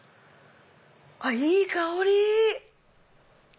いい香り！